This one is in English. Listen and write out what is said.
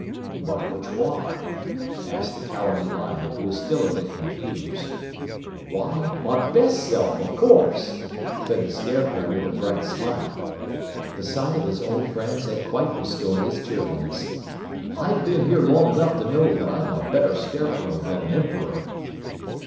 "But which one?" asked the Cowardly Lion, who was still a bit confused. "Why, my best self, of course," said the Scarecrow with a bright smile. The sight of his old friends had quite restored his cheerfulness. "I've been here long enough to know that I am a better Scarecrow than an Emperor."